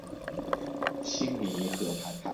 殿试登进士第三甲第一名。